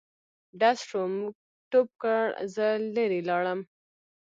ډز شو موږ ټوپ کړ زه لیري لاړم.